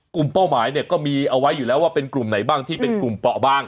เป้าหมายเนี่ยก็มีเอาไว้อยู่แล้วว่าเป็นกลุ่มไหนบ้างที่เป็นกลุ่มเปาะบ้าง